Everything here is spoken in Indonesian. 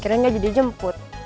akhirnya nggak jadi jemput